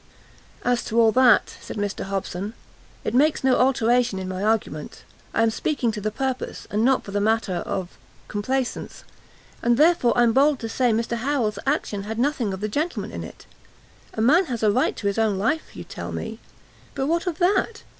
"As to all that," said Mr Hobson, "it makes no alteration in my argument; I am speaking to the purpose, and not for the matter of complaisance; and therefore I'm bold to say Mr Harrel's action had nothing of the gentleman in it. A man has a right to his own life, you'll tell me; but what of that?